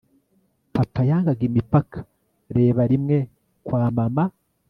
papa yangaga imipaka. reba rimwe kwa mama